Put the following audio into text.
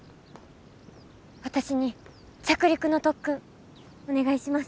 私に着陸の特訓お願いします。